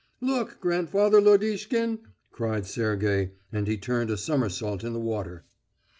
"Look, grandfather Lodishkin!" cried Sergey, and he turned a somersault in the water.